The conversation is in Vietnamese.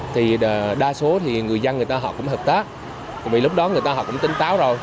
thì đa số thì người dân người ta họ cũng hợp tác vì lúc đó người ta họ cũng tinh táo rồi